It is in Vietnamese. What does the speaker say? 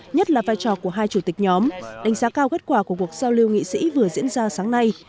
nhất là vai trò của hai chủ tịch nhóm đánh giá cao kết quả của cuộc giao lưu nghị sĩ vừa diễn ra sáng nay